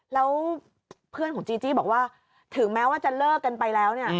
แล้วเพื่อนของจีจี้บอกว่าถึงแม้ว่าจะเลิกกันไปแล้วเนี่ย